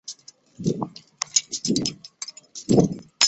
首任宿舍舍监为杨鹤强博士及邓素琴博士。